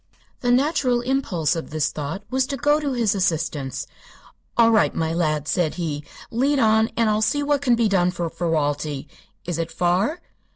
The natural impulse of this thought was to go to his assistance. "All right, my lad," said he. "Lead on, and I'll see what can be done for Ferralti. Is it far?"